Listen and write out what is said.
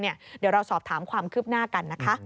เดี๋ยวเราสอบถามความคืบหน้ากันนะคะ